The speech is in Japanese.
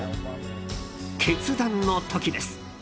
決断の時です。